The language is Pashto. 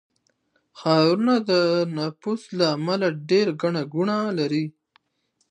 ښارونه د نفوس له امله ډېر ګڼه ګوڼه لري.